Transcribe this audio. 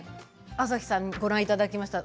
朝日さんご覧いただきました。